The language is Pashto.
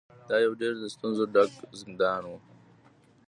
دا یو ډیر ستونزو ډک زندان و.